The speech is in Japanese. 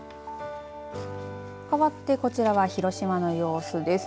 かわってこちらは広島の様子です。